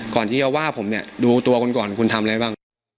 ก่อนที่จะว่าผมเนี่ยดูตัวคุณก่อนคุณทำอะไรบ้าง